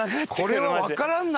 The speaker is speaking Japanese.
これはわからんな